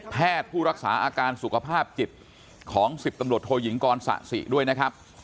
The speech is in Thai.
แพทย์ผู้รักษาอาการสุขภาพจิตของ๑๐ตำรวจโทยิงกรสะสิด้วยนะครับ